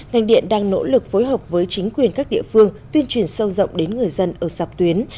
ngành điện đang nỗ lực phối hợp với chính quyền các địa phương tuyên truyền sâu rộng đến người dân ở dọc tuyến